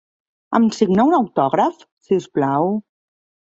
Em signa un autògraf, si us plau?